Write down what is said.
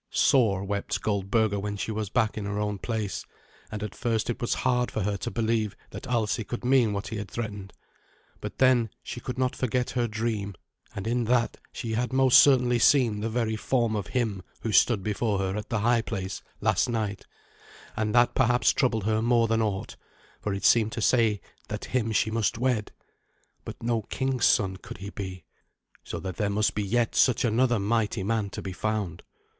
Sore wept Goldberga when she was back in her own place, and at first it was hard for her to believe that Alsi could mean what he had threatened. But then she could not forget her dream, and in that she had most certainly seen the very form of him who stood before her at the high place last night; and that perhaps troubled her more than aught, for it seemed to say that him she must wed. But no king's son could he be, so that there must be yet such another mighty man to be found.